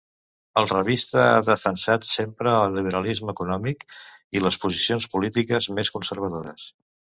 El revista ha defensat sempre el liberalisme econòmic i les posicions polítiques més conservadores.